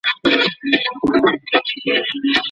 کیسې اخلاقي درسونه لیږدوي.